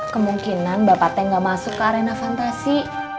kemungkinan bapak teng nggak masuk ke arena fantasi